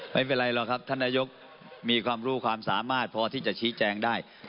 ไม่เป็นไรหรอกครับท่านนายกมีความรู้ความสามารถพอที่จะชี้แจงได้